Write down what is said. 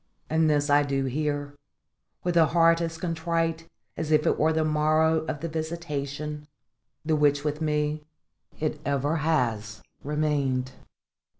And this I do here, with a heart as contrite as if it were the morrow of the visitation, the which with me it ever has remained.